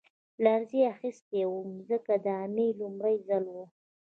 لړزې اخیستی وم ځکه دا مې لومړی ځل و